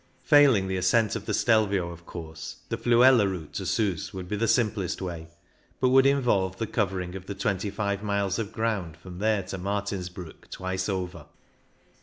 Failing the as THE JULIER 79 cent of the Stelvio, of course, the Fluela route to Sus would be the simplest way, but would involve the covering of the 25 miles of ground from there to Martinsbruck twice over.